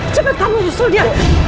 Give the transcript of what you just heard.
cepat tangguhkan dia